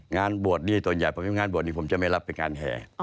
งานบวชนี้ส่วนใหญ่งานบวชนี้ผมจะไม่รับไปการแห่